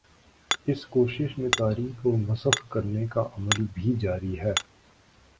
اس کوشش میں تاریخ کو مسخ کرنے کا عمل بھی جاری ہے۔